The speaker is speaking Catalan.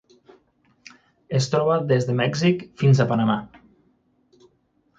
Es troba des de Mèxic fins a Panamà.